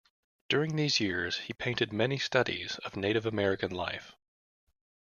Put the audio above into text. During these years, he painted many studies of Native American life.